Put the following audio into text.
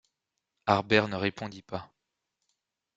Harbert ne répondit pas.